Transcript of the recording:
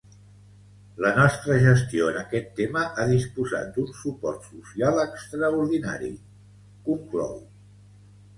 La nostra gestió en aquest tema ha disposat d’un suport social extraordinari, conclou.